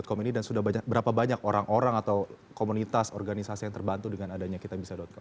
kom ini dan sudah berapa banyak orang orang atau komunitas organisasi yang terbantu dengan adanya kitabisa com